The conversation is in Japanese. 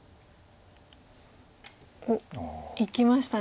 おっいきましたね。